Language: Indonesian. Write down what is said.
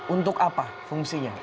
untuk apa fungsinya